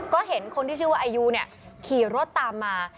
ก็เห็นคนที่ชื่อว่าอายุขี่รถตามมา